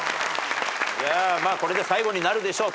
これで最後になるでしょう。